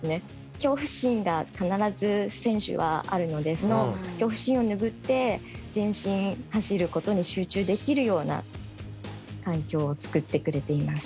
恐怖心が必ず選手はあるのでその恐怖心を拭って前進走ることに集中できるような環境を作ってくれています。